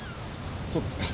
そうですか。